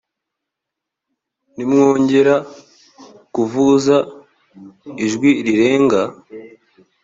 nimwongera kuvuza ijwi rirenga .